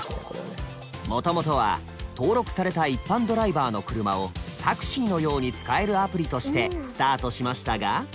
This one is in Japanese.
もともとは登録された一般ドライバーの車をタクシーのように使えるアプリとしてスタートしましたが